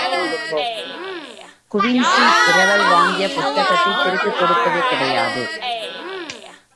Quincy, இரவல் வாங்கிய புத்தகத்தை திருப்பிக் கொடுப்பதே கிடையாது.